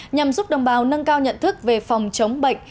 nhằm giúp đồng bào nâng cao nhận thức về phòng chống bệnh